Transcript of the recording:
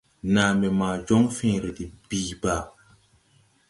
Nàa mbɛ ma jɔŋ fẽẽre de bìi bàa.